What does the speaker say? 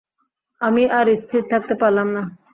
আমি আর স্থির থাকতে পারলাম না।